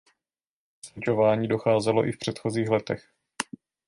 Ke slučování docházelo i v předchozích letech.